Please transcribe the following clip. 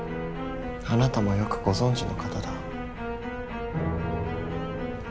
あなたもよくご存じの方だ。